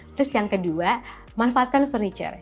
terus yang kedua manfaatkan furniture